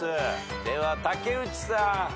では竹内さん。